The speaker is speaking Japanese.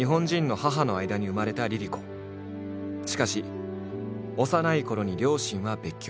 しかし幼いころに両親は別居。